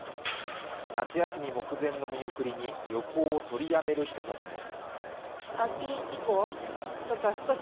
夏休み目前の見送りに旅行を取りやめる人たちも。